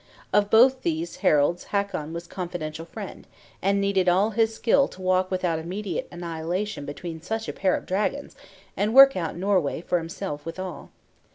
Of both these Haralds Hakon was confidential friend; and needed all his skill to walk without immediate annihilation between such a pair of dragons, and work out Norway for himself withal.